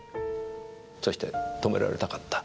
そして止められたかった。